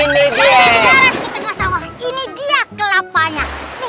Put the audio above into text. ini dia yang sama ini dia kelapanya